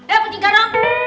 eh putri garo